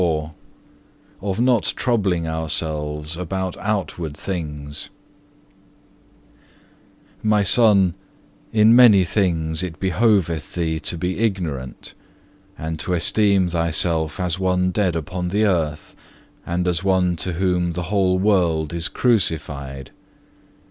CHAPTER XLIV Of not troubling ourselves about outward things "My Son, in many things it behoveth thee to be ignorant, and to esteem thyself as one dead upon the earth, and as one to whom the whole world is crucified.